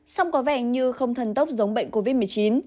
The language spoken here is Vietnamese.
song có vẻ như không thần tốc giống bệnh covid một mươi chín